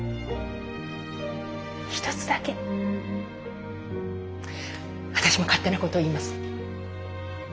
一つだけ私も勝手なことを言います。